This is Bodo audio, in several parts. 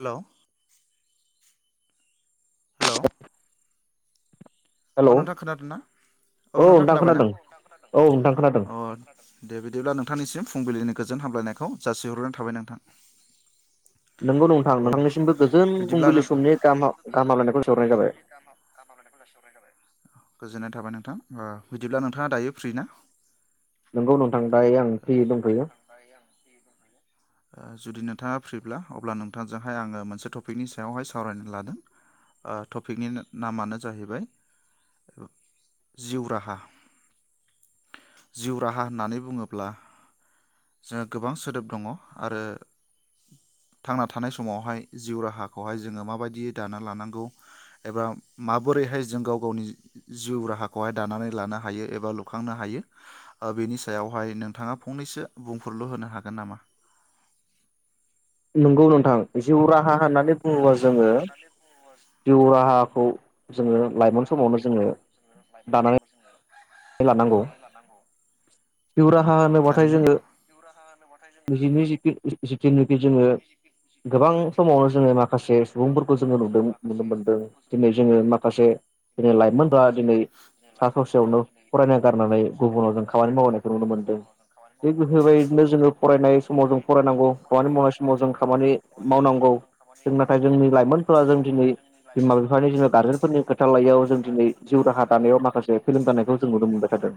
हेलौ हेलौ हेल' अ नोंथां खोनादों ना औ नोंथां खोनाबाय ना औ नोंथां खोनादों अ दे बिदिब्ला नोंथांनिसिम फुंबिलिनि गोजोन हामलायनायखौ जासिहरना थाबाय नोंथां नोंगौ नोंथां अ नोंथांनिसिमबो गोजोन बिदिब्ला नों फुंबिलि समनि गामा गाहामलायनाय खौ सोहरनाय जाबाय। गाहाम हामलायखौ जासिहरनाय जाबाय गोजोनाय थाबाय नोंथां ओ बिदिब्ला नोंथांङा दायो फ्रि ना? नोंगौ नों थांबाय आं फ्रि दंथयो आ जुदि नोंथाङा फ्रिब्ला अब्ला नोंथांजोंहाय आङो मोनसे टपिकनि सायावहाय सावरायनो लादों ओ टपिकनि नामानो जाहैबाय जिउ राहा जिउ राहा होननानै बुङो ब्ला जो गोबां सोदोब दंअ आरो थांना थानाय समावहाय जिउ राहाखहाय जोङो माबायदि दाना लानांगौ एबा माबोरैहाय जों गाव गावनि जिउ राहाखौहाय दानानै लानो हायो एबा लुखांनो हायो बेनि सायाव बाय नोंथाङा फंनैसो बुंफोरलु होनो हागोन नामा? नोंगौ नोंथां जिउ रा नोंथां जिउ राहा होननानै बुङोबा जिउ जोङो राहाखौ जोङो जिउ लाइमोन समावनो राहाखौ ओ जोङो जोङो लाइमोन दानानै समावनो जोङो लानांगौ जिउ राहा होनोब्लाथाय थारैनो जोङो निजि निजिखो जिथुनोखि जोङो गोबां समावनो जोङो माखासे सुबुंफोरखौ जोङो नुदों नुनो मोनदों दिनै जोङो माखासे दिनै लाइमोनफोरा दिनै सा ससेयावनो फरायना गारनानै गुबुनाव जों खामानि मावनायखौ नुनो मोनदों थिग बेफोरबायदिनो जोङो फरायनाय समाव जों फरायनांगौ खामानि मावनाय समाव जों खामानि मावनांगौ औ जों नाथाय जोंनि लाइमोनफोरा जों दिनै बिमा बिफानि जोंनि गार्जेनफोरनि खोथा लायाव जों दिनै जिउ राहा दानायाव माखासे फेलें जानायखौ नुनो मोनबाय थादों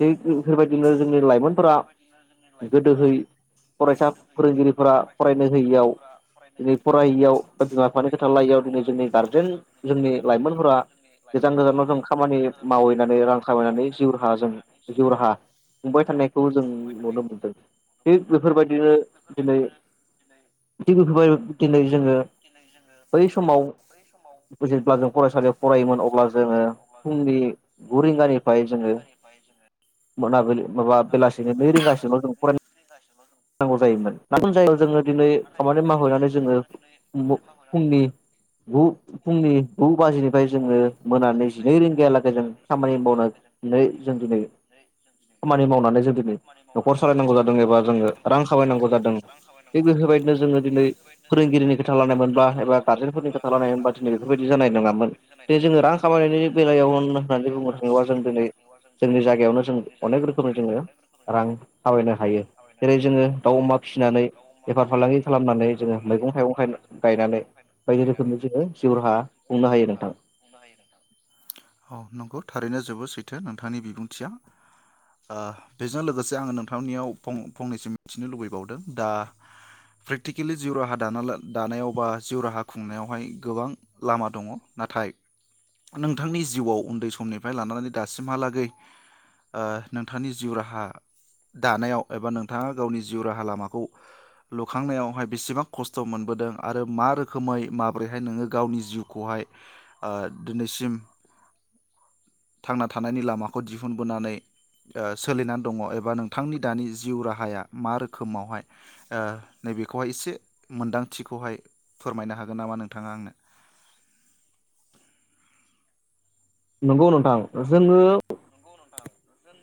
बै बेफोरबायदिनो जोंनि लाइमोनफोरा गोदोहै फरायसा फोरोंगिरिफोरा फरायनो होयियाव फरायैयाव बा बिमा बिफानि खोथा लायैयाव दिनै जोंनि गारजेन जोंनि लाइमोनफोरा गोजान गोजानाव जों खामानि मावहैनानै रां जिउ राहाजों जिउ राहा खुंबाय थानायखौ जों नुनो मोनदों थिग बेफोरबायदिनो दिनै [unintelligible] दिनै जोङो बै समाव जेब्ला जों फरायसालियाव फरायोमोन अब्ला जोङो फुंनि गुरिंगानि जोंडो मोनाबिलि माबा बेलासि नै रिंगासिमाव जों फरायांगौ जायोमोन [unintelligible] जोङो दिनै खामानि मावहैनानै जोङो दिनै खामानि मावहैनानै फुंनि जोङो गु फुंनि गु बाजिनिफ्राय जोङो फुंनि गु मोनानि बाजिनिफ्राय जोङो मोनानि जिनै रिंगायालगै जों नै जों दिनै खामानि मावनानै जों दिनै न'खर सालायनांगौ जादों एबा जोङो रां खामायनांगौ जादों थिग बेफोरबायदिनो जोङो दिनै फोरोंगिरिनि खोथा लानाय मोनबा एबा गार्जेनफोरनि खोथा लानाय मोनबा दिनै बेफोरबायदि जानाय नङामोन बे जोङो रां खामायनायनि बेलायावनो होन बुंनो थाङोबा जों दिनै जोंनि जायगायावनो जों अनेक रोखोमै जोङो रां खामायनो हायो जेरै जोङो दाउ अमा फिसिनानै बेफार फालांगि खालामनानै जोङो फालांगि मैगं थाइगं खालामनानै जोंङो मैगं गायनानै थाइगं गाय बायदि गायनानै रोखोमनि जोङो बायदि जिउ राहा रोखोमननि जोंङो खुंनो जिउ हायो राहा नोंथां खुंनो हायो नोंथांखौ थारैनो जोबोद सैथो नोंथांनि बिबुंथिया ओ बेजों लोगोसे आङो नोंथांनियाव फं-फंनैसो मिथिनो लुबैबावदों दा प्रेकटिकेलि जिउ राहा दाना ला--दानायाव बा जिउ राहा खुंनायावहाय गोबां लामा दङ नाथाय नोंथांनि जिउआव उन्दै समनिफ्राय लानानै दासिमहालागै ओ नोंथांनि जिउ राहा दानायाव एबा नोंथाङा गावनि जिउ राहा लामाखौ लुखांनायावहाय बेसेबां खस्थ मोनबोदों आरो मा रोखोमै माब्रैहाय नोङो गावनि जिउखौहाय ओ दिनैसिम थांना थानायनि लामाखौ दिहुनबोनानै ओ सोलिनानै दङ एबा नोंथांनि दानि जिउ राहाया मा रोखोमावहाय ओ नैबे खोहाय एसे मोन्दांथिखौहाय फोरमायनो हागोन नामा नोंथाङा आंनो। नंगौ नोंथां जोङो [unintelligible]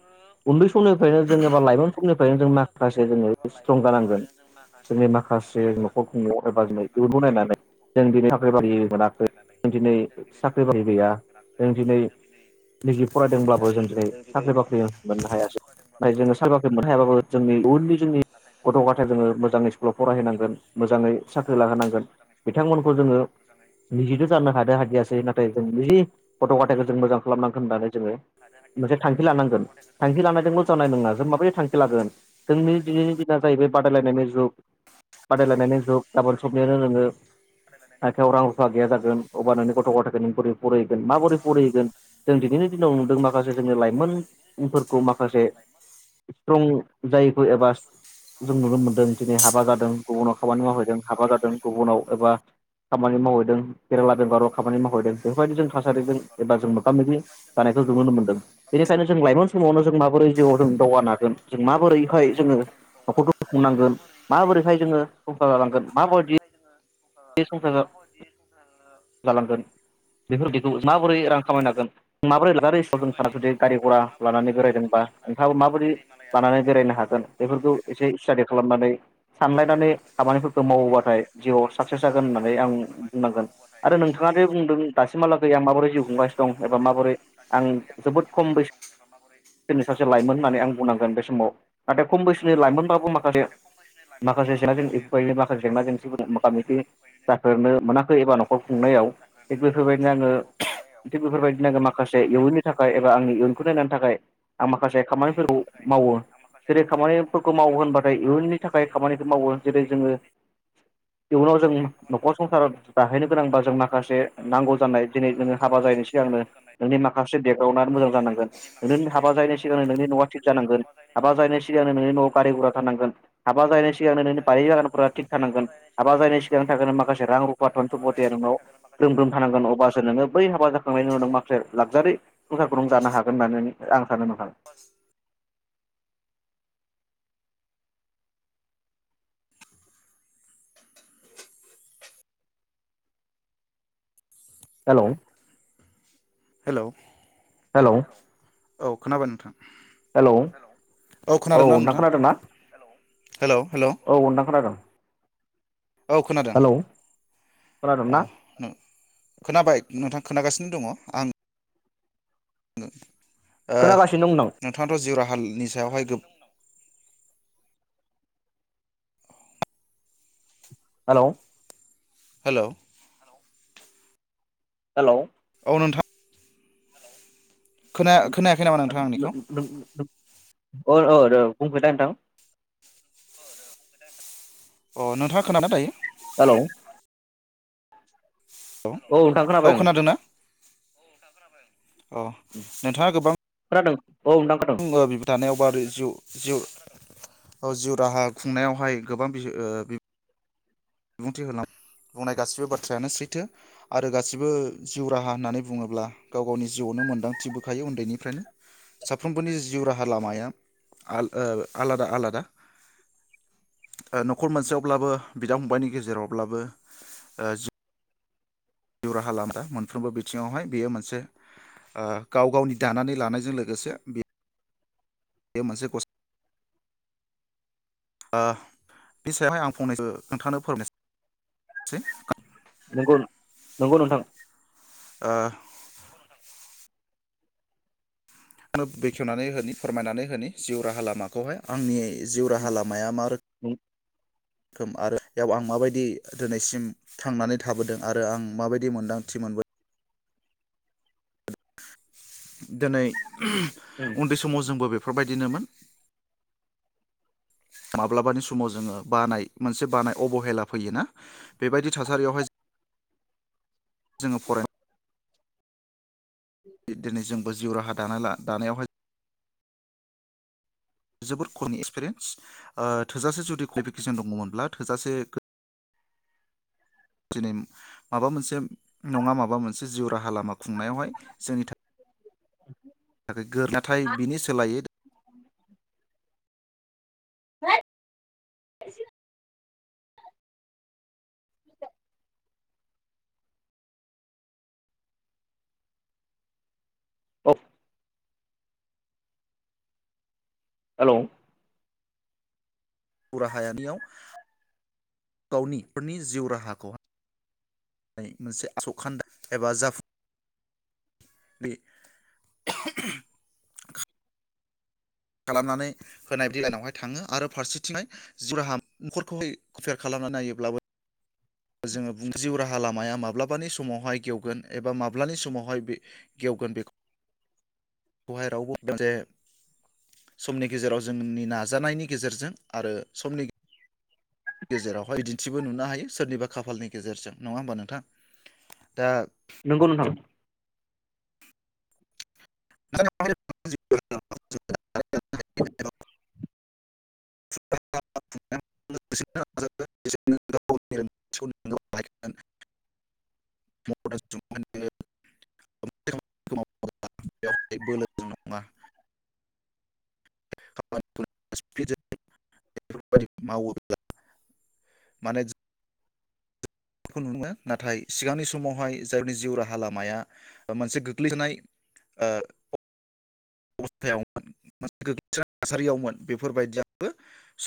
उन्दै स समनिफ्रायनो जों एबा लाइमोन समनिफ्रायनो जों माखासे जोङो स्ट्रं जानांगोन जोंनि माखासे न'खर नायनानै जों दिनै साख्रि बाख्रि मोनाखै जों दिनै साख्रि बाख्रि गैया जों दिनै निजि फरायदोंब्लाबो जों दिनै साख्रि बाख्रि मोननो हैयासै नाथाय जोङो साख्रि बाख्रि मोननो हायाबाबो जोंनि उनलि जोंनि गथ गथायखौ जोङो मोजाङै स्कुलाव फरायहोनांगोन मोजाङै साख्रि लाहोनांगोन बिथांमोनखौ जोङो निजिथ जानो हानो हादियासै नाथाय जों निजिनि गथ गथायाइखौ जों मोजां खालामनांगोन होननानै जोङो मोनसे थांखि लानांगोन थांखि लानायजोंल जनाय नंङा जों माबायदि थांखि लागोन जोंनि दिनैनि दिना जाहैबाय बादायलायनायनि जुग बादायलायनायनि जुग गाबोन सबनिआनो नोंङो आखायाव रां रुफा गैया जागोन अब्ला नों गथ' गथायखौ नों बोरै फरिहोगोन माबोरै फरायहैगोन जों दिनैनि दिनाव नुदों माखासे जोंनि लाइमोन फोरखौ माखासे सिट्रं जायखौ एबा जों नुनो मोनदों दिनै हाबा जादों गुबुनाव खामानि मावहैदों हाबा जादों गुबुनाव एबा खामानि मावहैदों केरेला बेंगलाव खामानि मावहैदों बेफोरबायदि जों थासारिजों एबा जों मोगा मोगि जानायखौ जों नुनो मोनदों बेनिखायनो जों लाइमोन स समाव नो‌ जों माबोरै जिउआव जों दावगानागोन जों माबोरैहाय जोंङो नखरखौ [unintelligible] फुंनांगोन माबोरैहाय जोंङो [unintelligible] माबायदि बे संसार [unintelligible] जालांगोन बेफोर बेखौ माबोरै रां खामायनो हागोन माबोरै [unintelligible] गारि गुरा लानानै बेरायदोंबा नोंथाङाबो माबोरै लानानै बेरायनो हागोन बेफोरखौ एसे स्टाडि खालामनानै सानलायनानै खामानिफोरखौ मावोबाथाय जिउआव साक्सेस जागोन होननानै आं बुंनांगोन आरो नोंथाङा दे बुंदों दासिमाला गै आं माबोरै जिउ खुंगासिनो दं एबा माबोरै आं जोबोद खम बैसो [inaudible] नि सासे लाइमोन होननानै आं बुंनांगोन बे समाव नाथाय खम बैसोनि लाइमोनबाबो माखासे माखासे जेंना [unintelligible] माखासे जेंना जेंसिबो [unintelligible] जाफेरनो मोना खौ एबा नखर खुंनायाव थिग बेफोरबायदिनो आंङो थिग बेफोरबायदिनो आंङो माखासे इयुननि थाखाय एबा आंनि इयुनखौ नायनायनि थाखाय आं माखासे खामानिफोरखौ मावो जेरै खामानिफोरखौ मावो होनबाथाय इयुननि थाखाय खामानिखौ मावो जेरै जोंङो इयुनाव जोंनि नखर संसाराव जाहैनो गोनांबा जों माखासे नांगौ जानाय दिनै जोंङो हाबा जायैनि सिगांनो नोंनि माखास से देग्रावउ नानै मोजां जानांगोन नोंनि हाबा जायैनि सिगांनो नोंनि नआ थिग जानांगोन हाबा जाहैनाय सिगांनो नोंनि नआव गारि गुरा थानांगोन। हाबा जाहैनाय सिगांनो नोंनि बारि बागान फोरा थिग थानांगोन। हाबा जायैनि सिगां थागोननो माखासे रां रुफा घन सम्पतिया नोंनाव ग्रोम ग्रोम थानांगोन अब्लासो नोंङो बै हाबा जाखांनायनि उनाव माखासे लागजारि संसारखौ नुनो हागोन होननानै आं सानो नोंथां हेलोव हेलोव हेलोव औ खोनाबाय नोंथां हेलौ औ नोंथां खोनादों ना? हेलौ हेलौ औ नोंथां खोनादों औ खोनादों हेलौ खोनादोंना ओ खोनाबाय नोंथां खोनागासिनो दंङ आं ओ खोनागासिनो दं नोंथां नोंथांआथ जिउ राहा हालनि सायावहाय गो हेलौ हेलौ हेलौ अ नोंथां खोनाया खोनायाखै नामा नोंथां आंनिखौ औ औ औ बुंफोदा नोंथां अ नोंथाङा खोनादोंना दायो। हेलौ हेलौ औ नोंथां औ खोनाबाय आं खोनादोंना [unintelligible] अ नोंथाङा गोबां खोनादों औ नोंथां खोनादों बिबाय थानायाव जिउ-जिउ जिउ राहा खुंनायावहाय ओ गोबां ओ बिबुंथि होना बुंनाय गासिबो बाथ्रायानो सैथो आरो गासिबो जिउ राहा होननानै बुङोब्ला गाव गावनि जिउआवनो मोनदांथि बखायो उन्दैनिफ्रायनो साफ्रोमबोनि जिउ राहा लामाया आलादा आलादा न'खर मोनसेयावब्लाबो बिदा फंबायनि गेजेरावब्लाबो जि जिउ राहा लामाया मोनफ्रोमबो बिथिङावहाय बियो मोनसे गाव गावनि दानानै लानायजों लोगोसे बे बे मोनसे कस बे सायावहाय आं फंनैसो नोंथांनो फोरमायनोसै। नंगौ नंगौ नोंथां ओ आंनो बेखेवनानै होनो फोरमायनानै होनि जिउ राहा लामाखौहाय आंनि जिउ राहा लामाया मा रोखोम रोखोम आरोयाव आं माबायदि दिनैसिम थांनानै थाबोदों आरो आं माबायदि मोनदांथि मोनबोदों। दोनै उन्दै समाव जोंबो बे बेफोरबायदिनोमोन माब्लाबानि समाव जोङो बानाय मोनसे बानाय अबहेला फैयोना बेबायदि थासारियावहाय जोङो फराय दिनै जोंबो जिउ राहा दानाय दानायावहाय जोबोद खमनि एक्सपिरियेन्स थोजासे जुदि कुवालिफिकेसन दङमोनब्ला थोजासे दिनै माबा मोनसे नङा माबा मोनसे जिउ राहा लामा खुंनायावहाय जोंनि थाखाय नाथाय बिनि सोलायै अ हेलौ जिउ राहायानियाव गावनिफोरनि जिउ राहाखौनाय मोनसे आस' खान्दा एबा जाफुं बेे खालामनानै होनायदि इनावहाय थाङो आरो फारसेथिंनाय जिउ राहा न'खरखौहाय कम्पेयार खालामनानै नायोब्लाबो जोङो बो जिउ राहा लामाया माब्लाबानि समावहाय गेवगोन एबा माब्लानि समावहाय बे गेवगोन बेखौ खौहाय रावबो समनि गेजेराव जोंनि नाजानायनि गेजेरजों आरो समनि गेजेरावहाय बिदिन्थिबो नुनो हायो सोरनिबा खाफालनि गेजेरजों नङा होमबा नोंथां दा नोंगौ नोंथां। [unintelligible] [unintelligible] बोलोजों नङा। [unintelligible] मावोब्ला माने खौ नुनो मोनो नाथाय सिगांनि समावहाय जायनि जिउ राहा लामाया मोनसे गोग्लैसोनाय ओ अबस्थायावमोन मोनसे गोग्लैसोनाय थासारियावमोन बेफोरबायदियाबो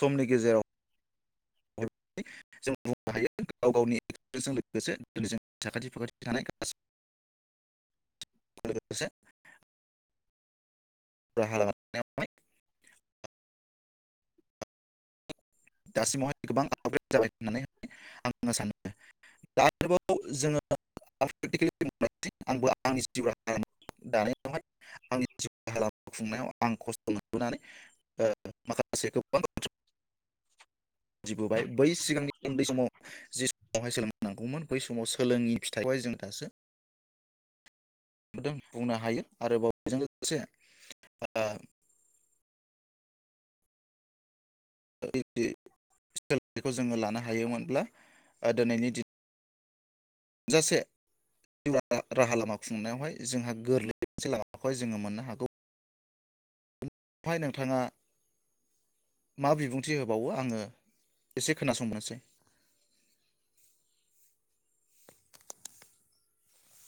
समनि गेजेराव जों बुंनो हायो गाव गावनि लोगोसे जोंनि साखाथि फाखाथि थानाय लोगोसे राहा लानायावहाय दासिमावहाय गोबां आपग्रेड जाबाय होननानै आं सानो दा आरोबाव जोङो [unintelligible] आंबो आंनि जिउ लामा दानायावहाय आंनि जिउ हालाम खुंनायाव आं खस्थ मोनबोनानै ओ माखासे गोबां बाथ्रा जि बुबाय बै सिगांनि उन्दै समाव जि आवहाय सोलोंनांगौमोन बै समाव सोलोङिनि फिथाइखौहाय जों दासो नुदों बुंनो हायो आरोबाव बेजों लोगोसे आ [unintelligible] [inaudible] सोलोंथाइखौ जोङो लानो हायोमोनब्ला ओ दिनैनि दि [inaudible] थोजासे राहा लामा खुंनायावहाय जोंहा गोरलै मोनसे लामाखौहाय जोङो मोननो हागौ बहाय नोंथाङा मा बिबुंथि होबावो आङो एसे खोनासंनोसै।